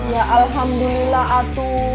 ya alhamdulillah atuh